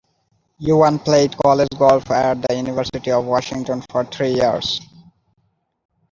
Yuan played college golf at the University of Washington for three years.